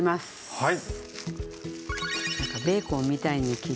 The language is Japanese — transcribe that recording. はい。